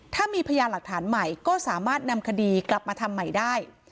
ถ้ามีพยานหลักฐานใหม่ก็สามารถนำคดีกลับมาทำใหม่ได้